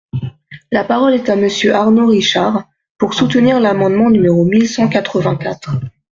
La parole est à Monsieur Arnaud Richard, pour soutenir l’amendement numéro mille cent quatre-vingt-quatre.